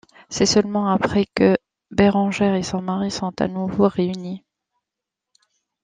C'est seulement après que Bérengère et son mari sont à nouveau réunis.